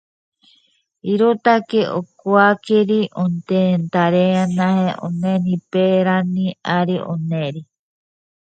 Por ello decidió alejarse un tiempo y radicarse en el exterior.